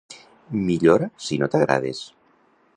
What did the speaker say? Millora si no t'agrades!